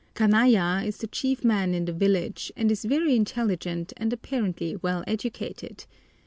Kanaya is the chief man in the village, and is very intelligent and apparently well educated.